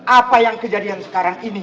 apa yang kejadian sekarang ini